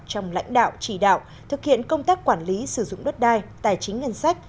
trong lãnh đạo chỉ đạo thực hiện công tác quản lý sử dụng đất đai tài chính ngân sách